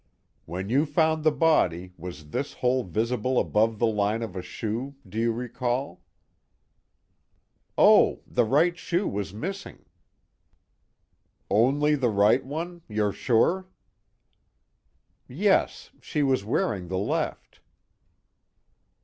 "When you found the body, was this hole visible above the line of a shoe, do you recall?" "Oh the right shoe was missing." "Only the right one, you're sure?" "Yes, she was wearing the left."